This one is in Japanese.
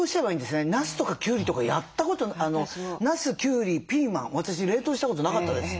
ナスとかキュウリとかやったことナスキュウリピーマン私冷凍したことなかったです。